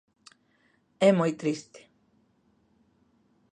É moi triste.